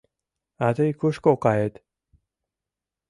А тый кушко кает?